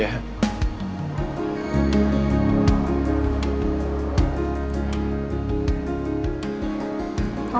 kamu kaga cari summer ya